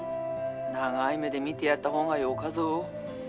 ☎長い目で見てやった方がよかぞ。